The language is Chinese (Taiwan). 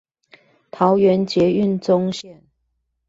桃園捷運棕線